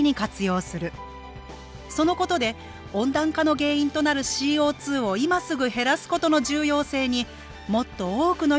そのことで温暖化の原因となるＣＯを今すぐ減らすことの重要性にもっと多くの人に気付いてほしい。